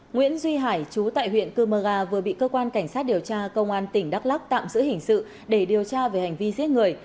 nguyễn duy hải chú tại huyện cơ mơ ga vừa bị cơ quan cảnh sát điều tra công an tỉnh đắk lắc tạm giữ hình sự để điều tra về hành vi giết người